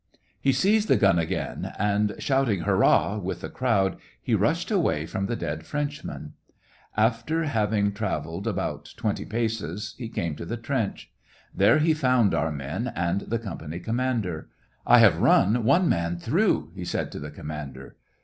He seized the gun again, and, shout ing •' Hurrah !" with the crowd, he rushed away from the dead Frenchman. After having trav ersed about twenty paces, he came to the trench. There he found our men and the company com mander. " I have run one man through !" he said to the commander.